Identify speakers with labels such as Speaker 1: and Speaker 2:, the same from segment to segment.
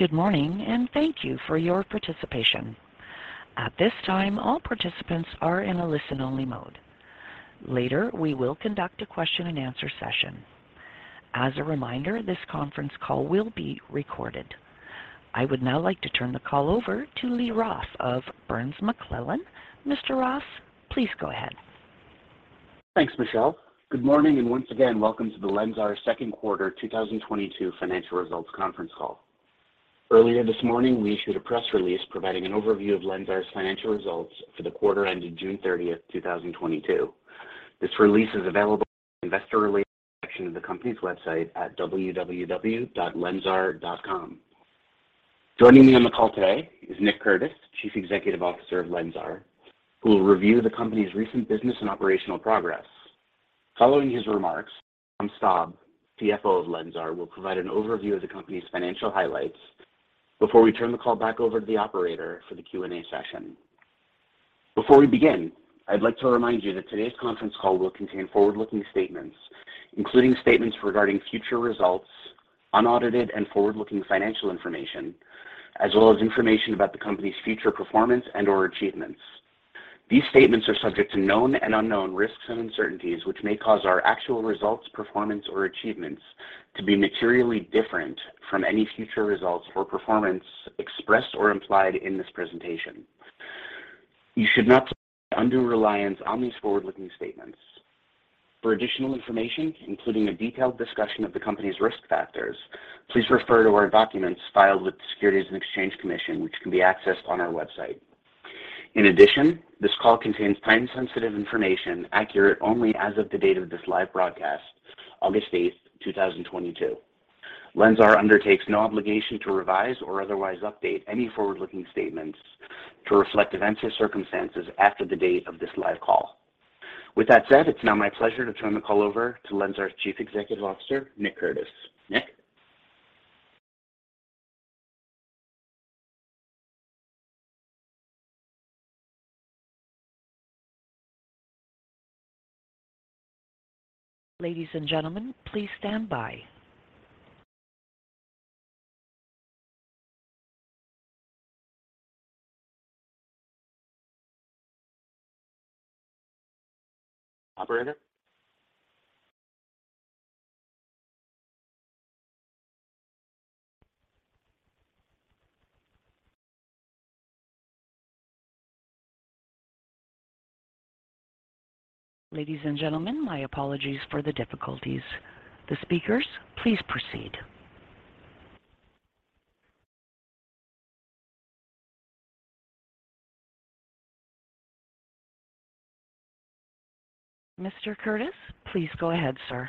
Speaker 1: Good morning, and thank you for your participation. At this time, all participants are in listen-only mode. Later, we will conduct a question and answer session. As a reminder, this conference call will be recorded. I would now like to turn the call over to Lee Roth of Burns McClellan. Mr. Roth, please go ahead.
Speaker 2: Thanks, Michelle. Good morning, and once again, welcome to the LENSAR second quarter 2022 financial results conference call. Earlier this morning, we issued a press release providing an overview of LENSAR's financial results for the quarter ending June 30, 2022. This release is available in the investor relations section of the company's website at www.lensar.com. Joining me on the call today is Nick Curtis, Chief Executive Officer of LENSAR, who will review the company's recent business and operational progress. Following his remarks, Tom Staab, CFO of LENSAR, will provide an overview of the company's financial highlights before we turn the call back over to the operator for the Q&A session. Before we begin, I'd like to remind you that today's conference call will contain forward-looking statements, including statements regarding future results, unaudited and forward-looking financial information, as well as information about the company's future performance and/or achievements. These statements are subject to known and unknown risks and uncertainties, which may cause our actual results, performance, or achievements to be materially different from any future results or performance expressed or implied in this presentation. You should not place undue reliance on these forward-looking statements. For additional information, including a detailed discussion of the company's risk factors, please refer to our documents filed with the Securities and Exchange Commission, which can be accessed on our website. In addition, this call contains time-sensitive information accurate only as of the date of this live broadcast, August 8, 2022. LENSAR undertakes no obligation to revise or otherwise update any forward-looking statements to reflect events or circumstances after the date of this live call. With that said, it's now my pleasure to turn the call over to LENSAR's Chief Executive Officer, Nick Curtis. Nick?
Speaker 1: Ladies and gentlemen, please stand by.
Speaker 2: Operator?
Speaker 1: Ladies and gentlemen, my apologies for the difficulties. The speakers, please proceed. Mr. Curtis, please go ahead, sir.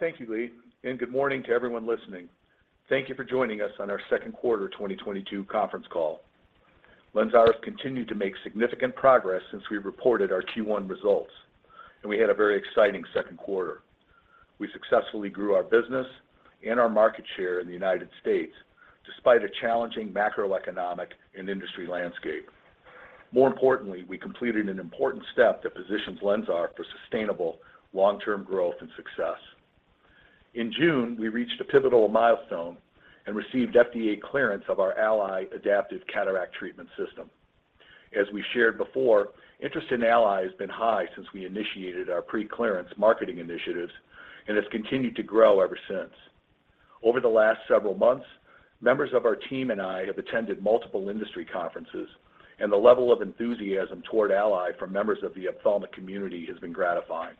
Speaker 3: Thank you, Lee, and good morning to everyone listening. Thank you for joining us on our second quarter 2022 conference call. LENSAR has continued to make significant progress since we reported our Q1 results, and we had a very exciting second quarter. We successfully grew our business and our market share in the United States despite a challenging macroeconomic and industry landscape. More importantly, we completed an important step that positions LENSAR for sustainable long-term growth and success. In June, we reached a pivotal milestone and received FDA clearance of our ALLY Adaptive Cataract Treatment System. As we shared before, interest in ALLY has been high since we initiated our pre-clearance marketing initiatives and has continued to grow ever since. Over the last several months, members of our team and I have attended multiple industry conferences, and the level of enthusiasm toward ALLY from members of the ophthalmic community has been gratifying.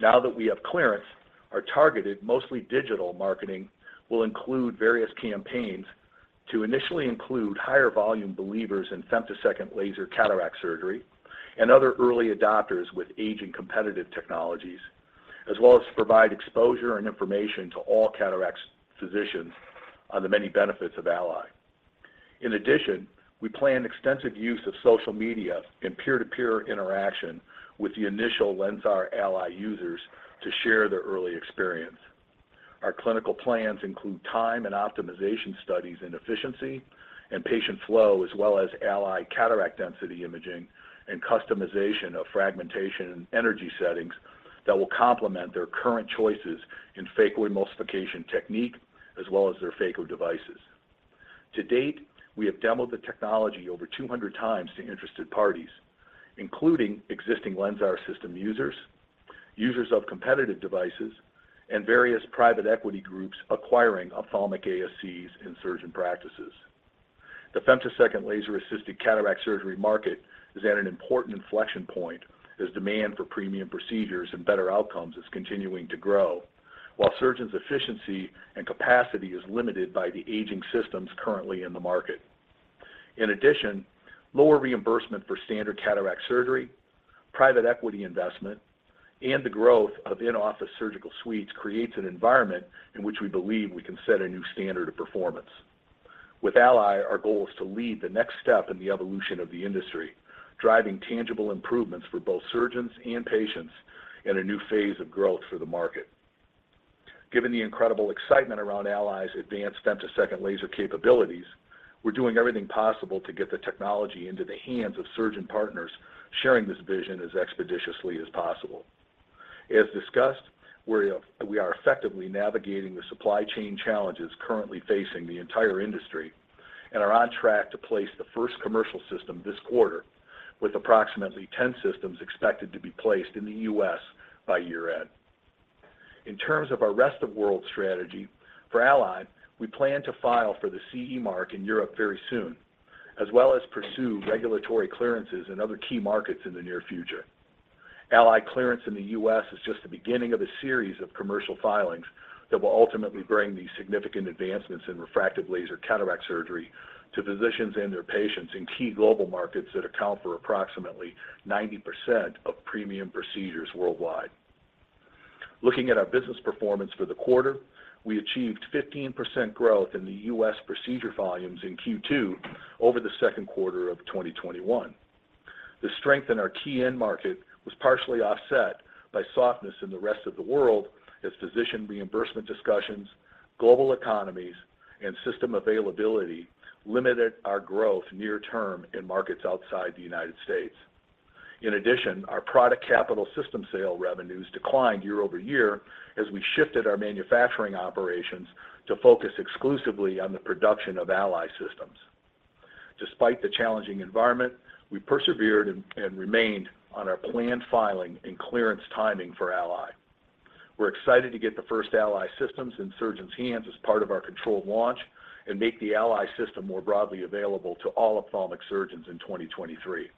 Speaker 3: Now that we have clearance, our targeted, mostly digital marketing will include various campaigns to initially include higher volume believers in femtosecond laser cataract surgery and other early adopters with aging competitive technologies, as well as provide exposure and information to all cataract physicians on the many benefits of ALLY. In addition, we plan extensive use of social media and peer-to-peer interaction with the initial LENSAR ALLY users to share their early experience. Our clinical plans include time and optimization studies in efficiency and patient flow, as well as ALLY cataract density imaging and customization of fragmentation and energy settings that will complement their current choices in phacoemulsification technique as well as their phaco devices. To date, we have demoed the technology over 200 times to interested parties, including existing LENSAR system users of competitive devices, and various private equity groups acquiring ophthalmic ASCs and surgeon practices. The femtosecond laser-assisted cataract surgery market is at an important inflection point as demand for premium procedures and better outcomes is continuing to grow while surgeons' efficiency and capacity is limited by the aging systems currently in the market. In addition, lower reimbursement for standard cataract surgery, private equity investment, and the growth of in-office surgical suites creates an environment in which we believe we can set a new standard of performance. With ALLY, our goal is to lead the next step in the evolution of the industry, driving tangible improvements for both surgeons and patients in a new phase of growth for the market. Given the incredible excitement around ALLY's advanced femtosecond laser capabilities, we're doing everything possible to get the technology into the hands of surgeon partners sharing this vision as expeditiously as possible. As discussed, we are effectively navigating the supply chain challenges currently facing the entire industry and are on track to place the first commercial system this quarter, with approximately 10 systems expected to be placed in the U.S. by year-end. In terms of our rest-of-world strategy, for ALLY, we plan to file for the CE mark in Europe very soon, as well as pursue regulatory clearances in other key markets in the near future. ALLY clearance in the U.S. is just the beginning of a series of commercial filings that will ultimately bring these significant advancements in refractive laser cataract surgery to physicians and their patients in key global markets that account for approximately 90% of premium procedures worldwide. Looking at our business performance for the quarter, we achieved 15% growth in the U.S. procedure volumes in Q2 over the second quarter of 2021. The strength in our key end market was partially offset by softness in the rest of the world as physician reimbursement discussions, global economies, and system availability limited our growth near term in markets outside the United States. In addition, our product capital system sale revenues declined year-over-year as we shifted our manufacturing operations to focus exclusively on the production of ALLY systems. Despite the challenging environment, we persevered and remained on our planned filing and clearance timing for ALLY. We're excited to get the first ALLY systems in surgeons' hands as part of our controlled launch and make the ALLY system more broadly available to all ophthalmic surgeons in 2023.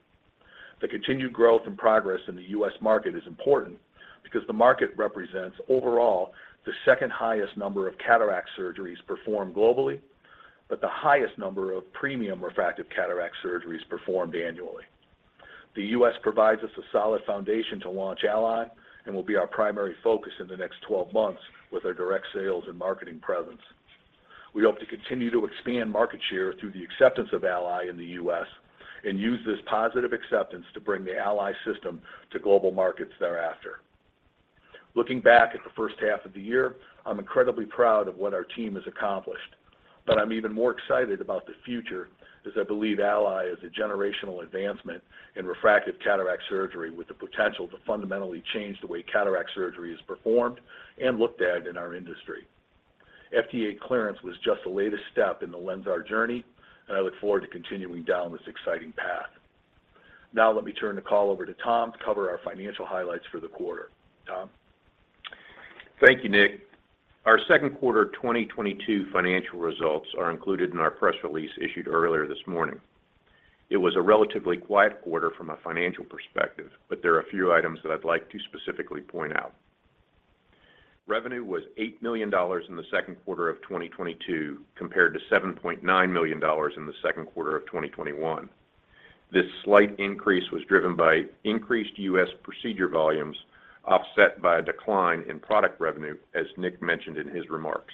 Speaker 3: The continued growth and progress in the U.S. market is important because the market represents overall the second highest number of cataract surgeries performed globally, but the highest number of premium refractive cataract surgeries performed annually. The U.S. provides us a solid foundation to launch ALLY and will be our primary focus in the next 12 months with our direct sales and marketing presence. We hope to continue to expand market share through the acceptance of ALLY in the U.S. and use this positive acceptance to bring the ALLY system to global markets thereafter. Looking back at the first half of the year, I'm incredibly proud of what our team has accomplished, but I'm even more excited about the future as I believe ALLY is a generational advancement in refractive cataract surgery with the potential to fundamentally change the way cataract surgery is performed and looked at in our industry. FDA clearance was just the latest step in the LENSAR journey, and I look forward to continuing down this exciting path. Now let me turn the call over to Tom to cover our financial highlights for the quarter. Tom?
Speaker 4: Thank you, Nick. Our second quarter 2022 financial results are included in our press release issued earlier this morning. It was a relatively quiet quarter from a financial perspective, but there are a few items that I'd like to specifically point out. Revenue was $8 million in the second quarter of 2022, compared to $7.9 million in the second quarter of 2021. This slight increase was driven by increased U.S. procedure volumes offset by a decline in product revenue, as Nick mentioned in his remarks.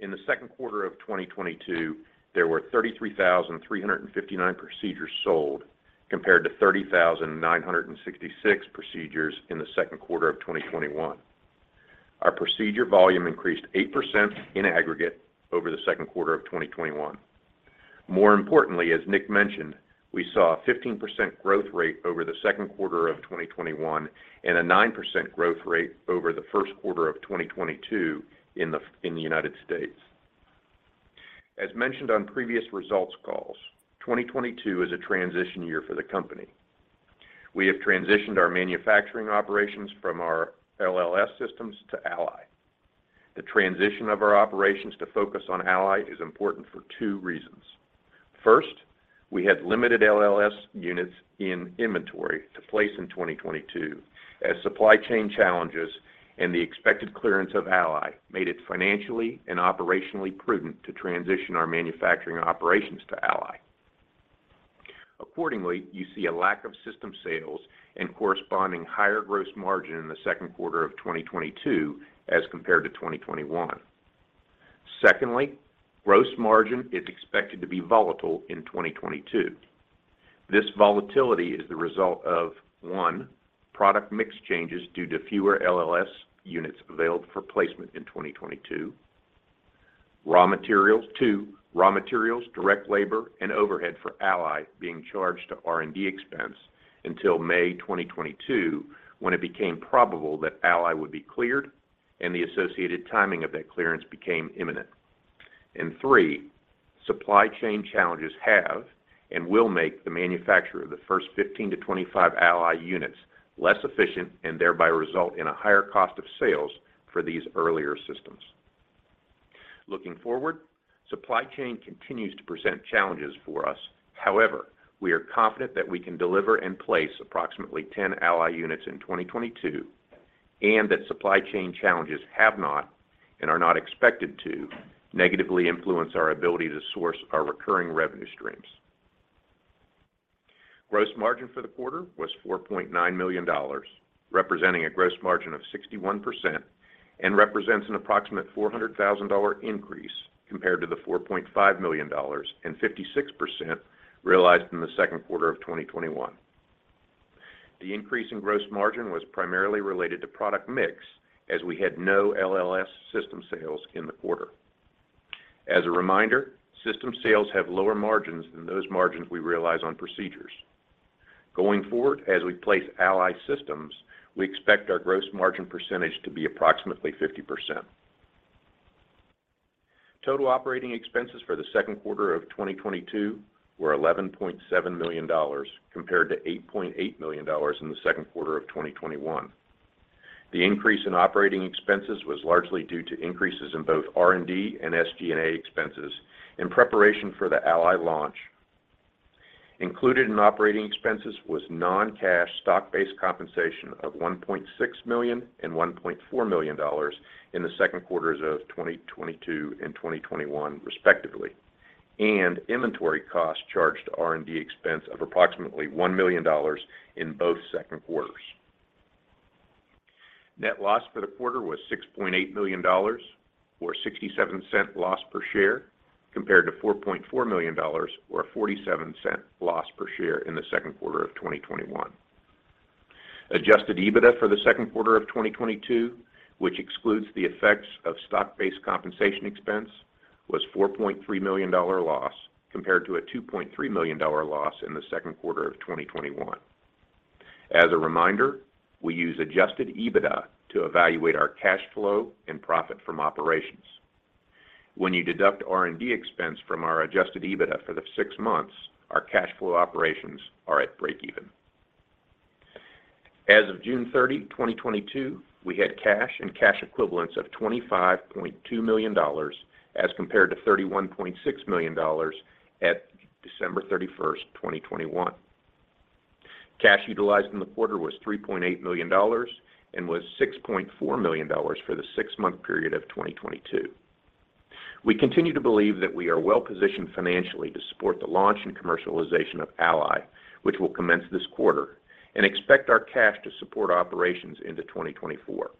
Speaker 4: In the second quarter of 2022, there were 33,359 procedures sold, compared to 30,966 procedures in the second quarter of 2021. Our procedure volume increased 8% in aggregate over the second quarter of 2021. More importantly, as Nick mentioned, we saw a 15% growth rate over the second quarter of 2021 and a 9% growth rate over the first quarter of 2022 in the United States. As mentioned on previous results calls, 2022 is a transition year for the company. We have transitioned our manufacturing operations from our LLS systems to ALLY. The transition of our operations to focus on ALLY is important for two reasons. First, we had limited LLS units in inventory to place in 2022 as supply chain challenges and the expected clearance of ALLY made it financially and operationally prudent to transition our manufacturing operations to ALLY. Accordingly, you see a lack of system sales and corresponding higher gross margin in the second quarter of 2022 as compared to 2021. Secondly, gross margin is expected to be volatile in 2022. This volatility is the result of, one, product mix changes due to fewer LLS units available for placement in 2022. Two, raw materials, direct labor, and overhead for ALLY being charged to R&D expense until May 2022, when it became probable that ALLY would be cleared and the associated timing of that clearance became imminent. Three, supply chain challenges have and will make the manufacture of the first 15-25 ALLY units less efficient and thereby result in a higher cost of sales for these earlier systems. Looking forward, supply chain continues to present challenges for us. However, we are confident that we can deliver and place approximately 10 ALLY units in 2022 and that supply chain challenges have not, and are not expected to, negatively influence our ability to source our recurring revenue streams. Gross margin for the quarter was $4.9 million, representing a gross margin of 61% and represents an approximate $400,000 increase compared to the $4.5 million and 56% realized in the second quarter of 2021. The increase in gross margin was primarily related to product mix as we had no LLS system sales in the quarter. As a reminder, system sales have lower margins than those margins we realize on procedures. Going forward, as we place ALLY systems, we expect our gross margin percentage to be approximately 50%. Total operating expenses for the second quarter of 2022 were $11.7 million compared to $8.8 million in the second quarter of 2021. The increase in operating expenses was largely due to increases in both R&D and SG&A expenses in preparation for the ALLY launch. Included in operating expenses was non-cash stock-based compensation of $1.6 million and $1.4 million in the second quarters of 2022 and 2021 respectively, and inventory costs charged to R&D expense of approximately $1 million in both second quarters. Net loss for the quarter was $6.8 million or $0.67 loss per share, compared to $4.4 million or a $0.47 loss per share in the second quarter of 2021. Adjusted EBITDA for the second quarter of 2022, which excludes the effects of stock-based compensation expense, was $4.3 million loss, compared to a $2.3 million loss in the second quarter of 2021. As a reminder, we use Adjusted EBITDA to evaluate our cash flow and profit from operations. When you deduct R&D expense from our adjusted EBITDA for the six months, our cash flow from operations is at breakeven. As of June 30, 2022, we had cash and cash equivalents of $25.2 million as compared to $31.6 million at December 31, 2021. Cash utilized in the quarter was $3.8 million and was $6.4 million for the six-month period of 2022. We continue to believe that we are well-positioned financially to support the launch and commercialization of ALLY, which will commence this quarter, and expect our cash to support operations into 2024.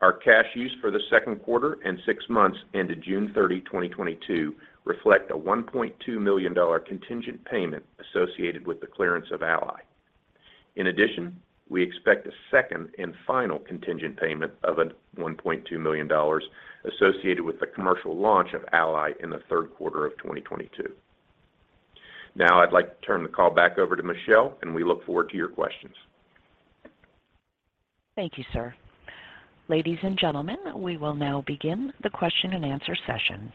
Speaker 4: Our cash use for the second quarter and six months ended June 30, 2022 reflect a $1.2 million contingent payment associated with the clearance of ALLY. In addition, we expect a second and final contingent payment of $1.2 million associated with the commercial launch of ALLY in the third quarter of 2022. Now I'd like to turn the call back over to Michelle, and we look forward to your questions.
Speaker 1: Thank you, sir. Ladies and gentlemen, we will now begin the question-and-answer session.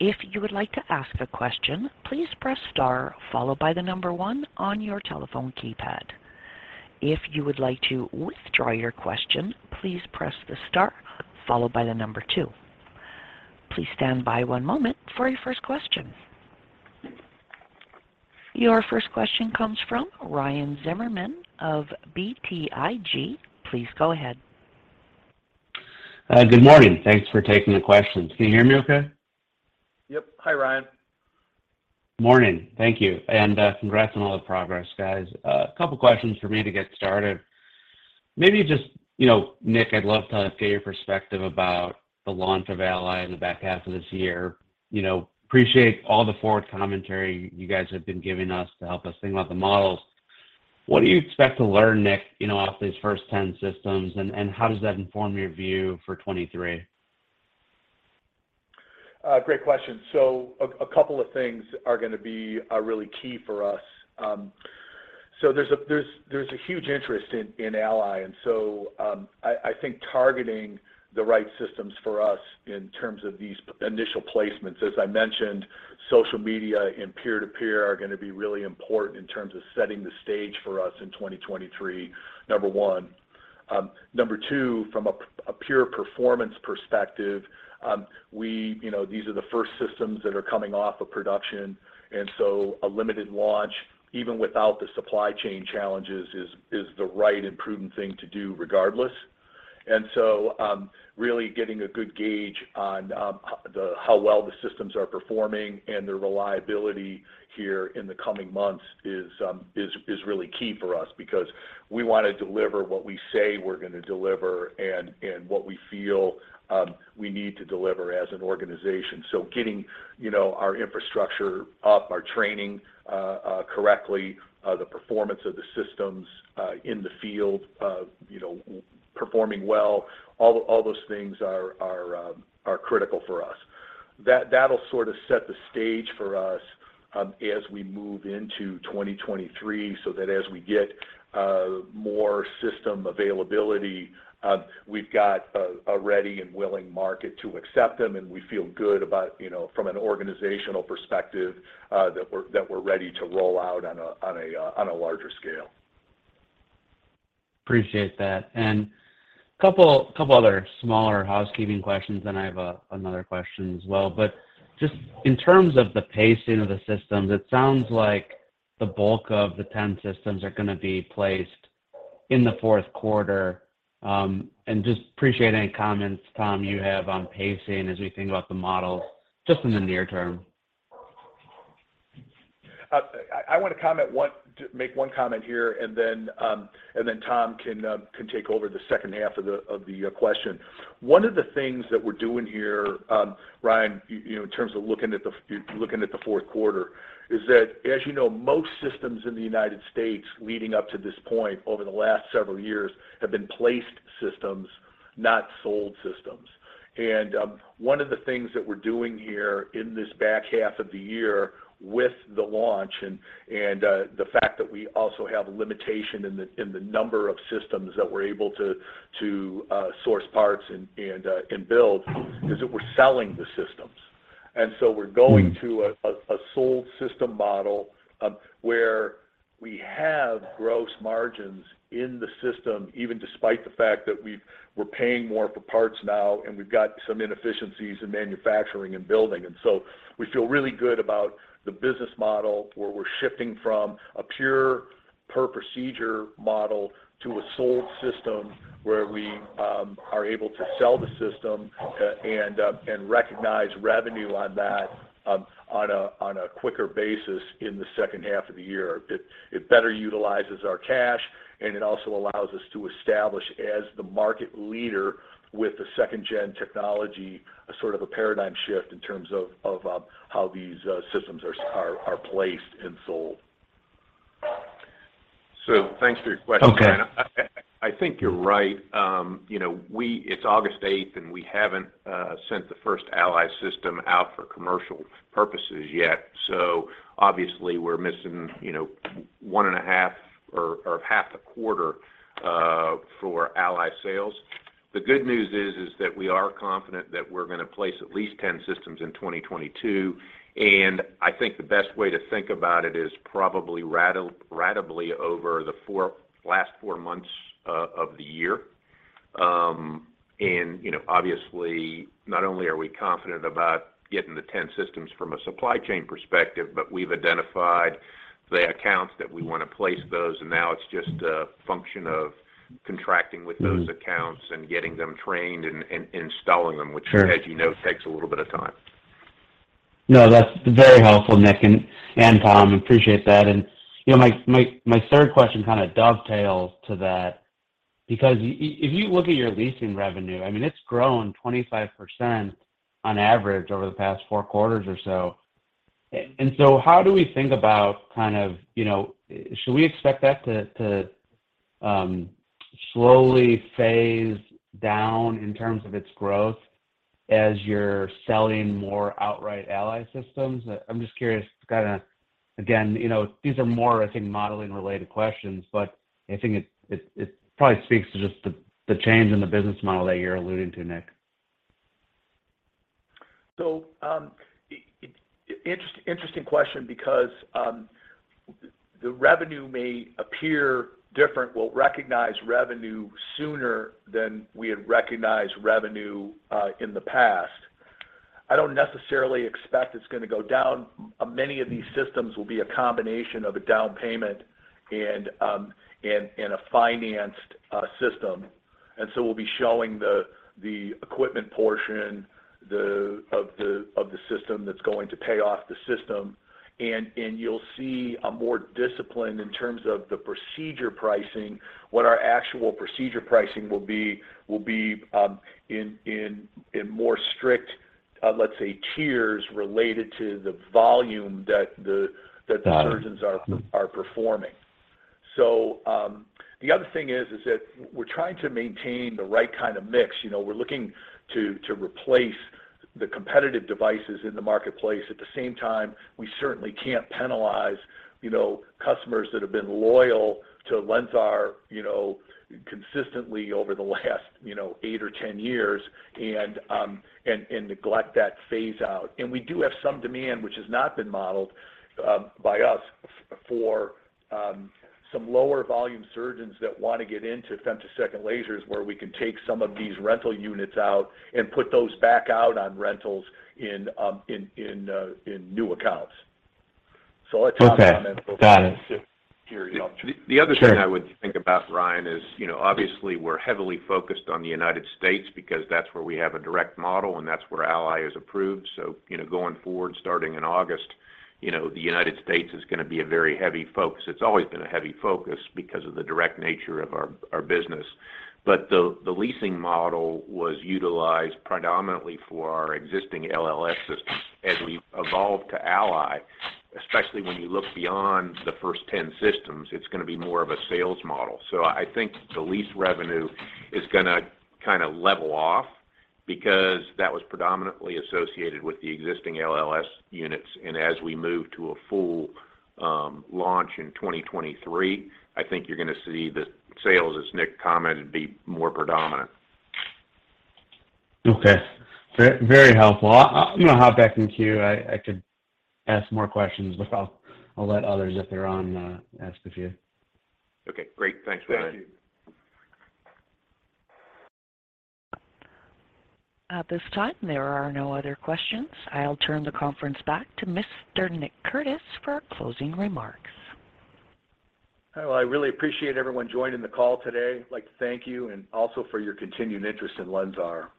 Speaker 1: If you would like to ask a question, please press star followed by the number one on your telephone keypad. If you would like to withdraw your question, please press the star followed by the number 2. Please stand by one moment for your first question. Your first question comes from Ryan Zimmerman of BTIG. Please go ahead.
Speaker 5: Good morning. Thanks for taking the questions. Can you hear me okay?
Speaker 3: Yep. Hi, Ryan.
Speaker 5: Morning. Thank you. Congrats on all the progress, guys. A couple questions for me to get started. Maybe just, you know, Nick, I'd love to get your perspective about the launch of ALLY in the back half of this year. You know, appreciate all the forward commentary you guys have been giving us to help us think about the models. What do you expect to learn, Nick, you know, off these first 10 systems, and how does that inform your view for 2023?
Speaker 3: Great question. A couple of things are gonna be really key for us. There's a huge interest in ALLY, and I think targeting the right systems for us in terms of these initial placements. As I mentioned, social media and peer-to-peer are gonna be really important in terms of setting the stage for us in 2023, number one. Number two, from a pure performance perspective, you know, these are the first systems that are coming off of production, and so a limited launch, even without the supply chain challenges, is the right and prudent thing to do regardless. Really getting a good gauge on how well the systems are performing and the reliability here in the coming months is really key for us because we wanna deliver what we say we're gonna deliver and what we feel we need to deliver as an organization. Getting, you know, our infrastructure up, our training correctly, the performance of the systems in the field you know performing well, all those things are critical for us. That'll sort of set the stage for us, as we move into 2023 so that as we get more system availability, we've got a ready and willing market to accept them, and we feel good about, you know, from an organizational perspective, that we're ready to roll out on a larger scale.
Speaker 5: Appreciate that. Couple other smaller housekeeping questions, then I have another question as well. Just in terms of the pacing of the systems, it sounds like the bulk of the 10 systems are gonna be placed in the fourth quarter. Just appreciate any comments, Tom, you have on pacing as we think about the model just in the near term.
Speaker 3: I want to make one comment here, and then Tom can take over the second half of the question. One of the things that we're doing here, Ryan, you know, in terms of looking at the fourth quarter, is that as you know, most systems in the United States leading up to this point over the last several years have been placed systems. Not sold systems. One of the things that we're doing here in this back half of the year with the launch and the fact that we also have a limitation in the number of systems that we're able to source parts and build is that we're selling the systems. We're going to a sold system model, where we have gross margins in the system, even despite the fact that we're paying more for parts now, and we've got some inefficiencies in manufacturing and building. We feel really good about the business model, where we're shifting from a pure per procedure model to a sold system where we are able to sell the system and recognize revenue on that on a quicker basis in the second half of the year. It better utilizes our cash, and it also allows us to establish as the market leader with the second gen technology a sort of a paradigm shift in terms of how these systems are placed and sold.
Speaker 4: Thanks for your question.
Speaker 5: Okay.
Speaker 4: I think you're right. It's August 8, and we haven't sent the first ALLY system out for commercial purposes yet. Obviously we're missing one and a half or half a quarter for ALLY sales. The good news is that we are confident that we're gonna place at least 10 systems in 2022, and I think the best way to think about it is probably ratably over the last four months of the year. Obviously, not only are we confident about getting the 10 systems from a supply chain perspective, but we've identified the accounts that we wanna place those, and now it's just a function of contracting with those accounts and getting them trained and installing them.
Speaker 5: Sure.
Speaker 4: Which as you know, takes a little bit of time.
Speaker 5: No, that's very helpful, Nick and Tom. Appreciate that. You know, my third question kind of dovetails to that because if you look at your leasing revenue, I mean, it's grown 25% on average over the past four quarters or so. How do we think about kind of, you know? Should we expect that to slowly phase down in terms of its growth as you're selling more outright ALLY systems? I'm just curious to kinda again, you know, these are more, I think, modeling related questions, but I think it probably speaks to just the change in the business model that you're alluding to, Nick.
Speaker 3: Interesting question because the revenue may appear different. We'll recognize revenue sooner than we had recognized revenue in the past. I don't necessarily expect it's gonna go down. Many of these systems will be a combination of a down payment and a financed system. We'll be showing the equipment portion of the system that's going to pay off the system. You'll see more discipline in terms of the procedure pricing, what our actual procedure pricing will be in more strict tiers related to the volume that the.
Speaker 5: Got it.
Speaker 3: The surgeons are performing. The other thing is that we're trying to maintain the right kind of mix. You know, we're looking to replace the competitive devices in the marketplace. At the same time, we certainly can't penalize, you know, customers that have been loyal to LENSAR, you know, consistently over the last 8 or 10 years and neglect that phase out. We do have some demand, which has not been modeled by us for some lower volume surgeons that wanna get into femtosecond lasers, where we can take some of these rental units out and put those back out on rentals in new accounts. I'll let Tom comment.
Speaker 5: Okay. Got it.
Speaker 3: Before I carry on.
Speaker 4: The other thing.
Speaker 5: Sure.
Speaker 4: I would think about, Ryan, is, you know, obviously we're heavily focused on the United States because that's where we have a direct model, and that's where ALLY is approved. You know, going forward, starting in August, you know, the United States is gonna be a very heavy focus. It's always been a heavy focus because of the direct nature of our business. The leasing model was utilized predominantly for our existing LLS systems. As we evolve to ALLY, especially when you look beyond the first 10 systems, it's gonna be more of a sales model. I think the lease revenue is gonna kinda level off because that was predominantly associated with the existing LLS units. As we move to a full launch in 2023, I think you're gonna see the sales, as Nick commented, be more predominant.
Speaker 5: Okay. Very, very helpful. I, you know, hop back in queue. I could ask more questions, but I'll let others, if they're on, ask a few.
Speaker 4: Okay, great. Thanks, Ryan.
Speaker 3: Thank you.
Speaker 1: At this time, there are no other questions. I'll turn the conference back to Mr. Nick Curtis for our closing remarks.
Speaker 3: Well, I really appreciate everyone joining the call today. I'd like to thank you and also for your continued interest in LENSAR.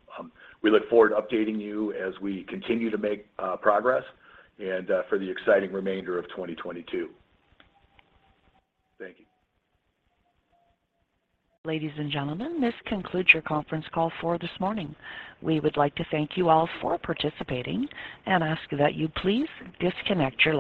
Speaker 3: We look forward to updating you as we continue to make progress and for the exciting remainder of 2022. Thank you.
Speaker 1: Ladies and gentlemen, this concludes your conference call for this morning. We would like to thank you all for participating and ask that you please disconnect your lines.